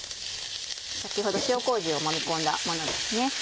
先ほど塩麹をもみ込んだものですね。